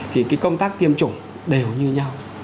thì công tác tiêm chủng đều như nhau